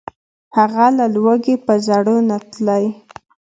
هغه له لوږي په زړو نتلي